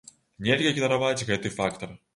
Нельга ігнараваць гэты фактар.